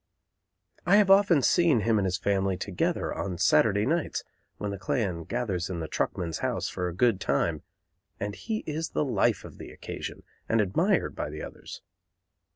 I have often seen him and his family together, on Saturday nights, when the clan gathers in the truckman's house for a good time, and he is the life of the occasion, and admired by the others.